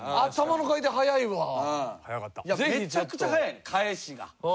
めちゃくちゃ速い返しが。